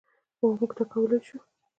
او موږ دا کولی شو.